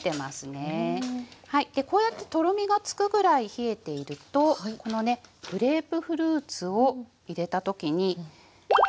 でこうやってとろみがつくぐらい冷えているとこのねグレープフルーツを入れた時に。